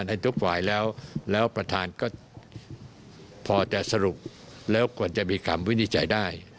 ในทุกฝ่ายแล้วแล้วประธานก็พอจะสรุปแล้วควรจะมีคำวินิจฉัยได้